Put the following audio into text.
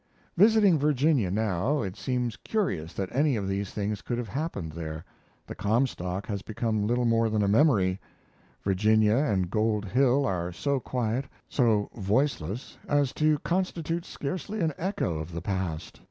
Visiting Virginia now, it seems curious that any of these things could have happened there. The Comstock has become little more than a memory; Virginia and Gold Hill are so quiet, so voiceless, as to constitute scarcely an echo of the past.